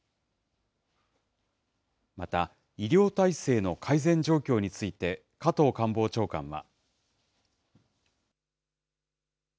また、医療体制の改善状況について、加藤官房長官は。